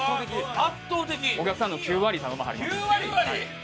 お客さんの９割頼みはりますんで。